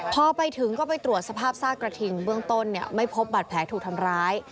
พอไปถึงก็ไปตรวจสภาพซากกระทิงเบื้องต้นไม่พบบัตรแผลถูกทำร้าย